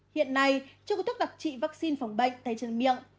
hiện nay trường hợp thuốc đặc trị vaccine phòng bệnh tay chân miệng